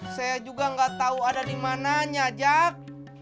saya juga nggak tahu ada di mana nya jak